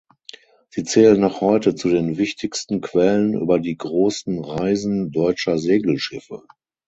Sie zählen noch heute zu den wichtigsten Quellen über die "Großen Reisen" deutscher Segelschiffe.